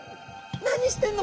「何してんの？